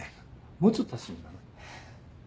もうちょっと足してみよう。